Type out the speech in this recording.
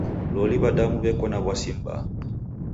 Loli w'adamu w'eko na w'asi m'baa.